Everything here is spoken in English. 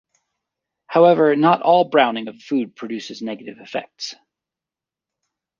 However, not all browning of food produces negative effects.